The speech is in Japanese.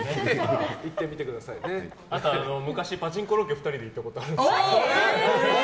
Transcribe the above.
昔パチンコロケに２人で行ったことあるんですけど。